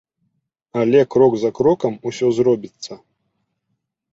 Але крок за крокам усё зробіцца.